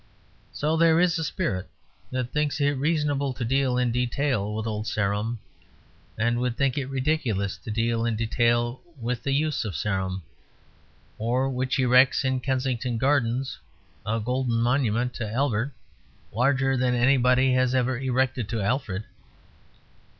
So there is a spirit that thinks it reasonable to deal in detail with Old Sarum, and would think it ridiculous to deal in detail with the Use of Sarum; or which erects in Kensington Gardens a golden monument to Albert larger than anybody has ever erected to Alfred.